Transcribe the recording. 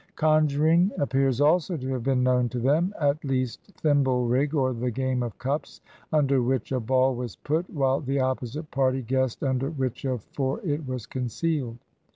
Conjuring appears also to have been known to them, at least thimble rig, or the game of cups, under which a ball was put, while the opposite party guessed under which of four it was concealed.